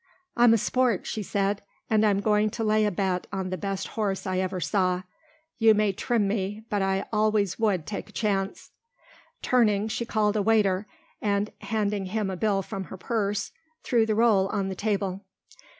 "I'm a sport," she said, "and I'm going to lay a bet on the best horse I ever saw. You may trim me, but I always would take a chance." Turning, she called a waiter and, handing him a bill from her purse, threw the roll on the table.